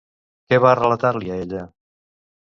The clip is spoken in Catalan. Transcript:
Què va relatar-li a ella?